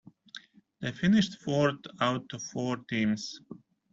They finished fourth out of four teams.